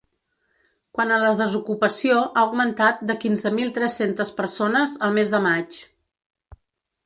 Quant a la desocupació, ha augmentat de quinze mil tres-centes persones el mes de maig.